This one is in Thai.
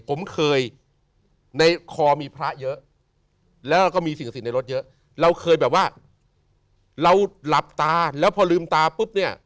ผมเคยในคอมีพระเยอะแล้วก็มีสิ่งในรถเยอะเราเคยแบบว่าเราหลับตาแล้วพอลืมตาปุ๊บเนี่ย